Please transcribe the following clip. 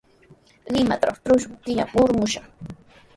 Limatraw trusku killami arumushaq.